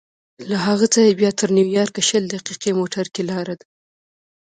له هغه ځایه بیا تر نیویارکه شل دقیقې موټر کې لاره ده.